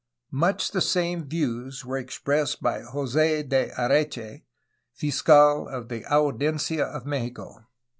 Much the same views were ex pressed by Jos6 de Areche, fiscal of the Audiencia of Mexico.